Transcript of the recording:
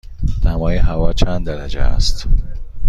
دمای هوا چند درجه است؟